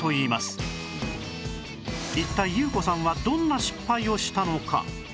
一体祐子さんはどんな失敗をしたのか？